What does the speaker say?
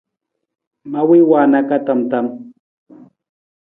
Ma wii waana ka tam tam.